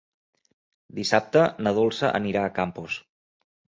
Dissabte na Dolça anirà a Campos.